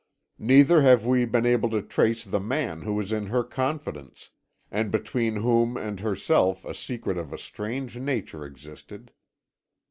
"Neither have we been able to trace the man who was in her confidence, and between whom and herself a secret of a strange nature existed.